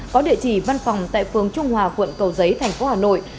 có địa chỉ văn phòng tại phường trung hòa quận cầu giấy thành phố hà nội